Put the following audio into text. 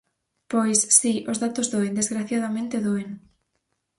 Pois, si, os datos doen; desgraciadamente, doen.